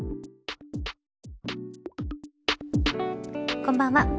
こんばんは。